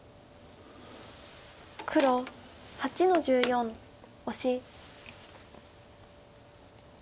黒８の十四オシ。